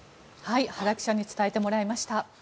原記者に伝えてもらいました。